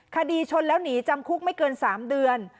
คดีชนแล้วหนีจำคุกไม่เกิน๓เดือน